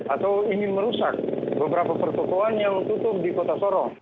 atau ingin merusak beberapa pertokohan yang tutup di kota sorong